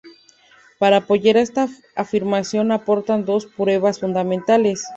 Para apoyar esta afirmación aportan dos pruebas fundamentales.